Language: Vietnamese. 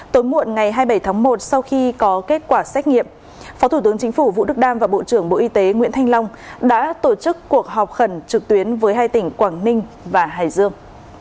tối muộn ngày hai mươi bảy tháng một sau khi có kết quả xét nghiệm phó thủ tướng chính phủ vũ đức đam và bộ trưởng bộ y tế nguyễn thanh long đã tổ chức cuộc họp khẩn trực tuyến với hai tỉnh quảng ninh và hải dương